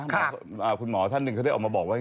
คุณหมอท่านหนึ่งเขาได้ออกมาบอกว่า